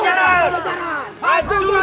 dan pak padra chicken